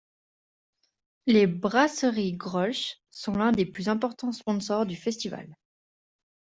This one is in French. Les brasseries Grolsch sont l'un des plus importants sponsors du festival.